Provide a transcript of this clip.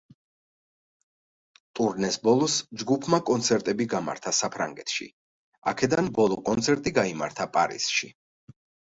ტურნეს ბოლოს ჯგუფმა კონცერტები გამართა საფრანგეთში, აქედან ბოლო კონცერტი გაიმართა პარიზში.